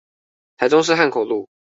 台中市漢口路